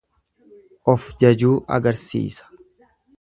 of jajuu agarsiisa.